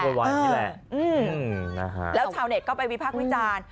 อืมแล้วชาวเน็ตก็ไปวิพากษ์วิจารณ์